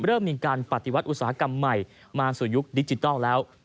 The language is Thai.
เริ่มมีการปฏิวัติอุตสาหกรรมใหม่มาสู่ยุคดิจิทัลแล้ว